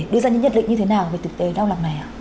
đưa ra những nhận định như thế nào về thực tế đau lòng này ạ